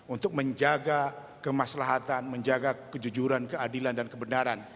untuk menjaga kemaslahatan menjaga kejujuran keadilan dan kebenaran